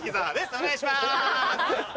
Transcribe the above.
お願いします。